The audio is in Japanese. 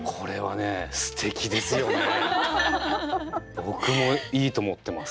僕もいいと思ってます。